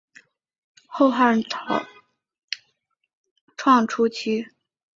后汉草创期功臣之一。